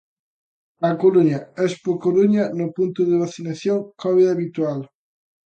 A Coruña: Expocoruña, no punto de vacinación Covid habitual.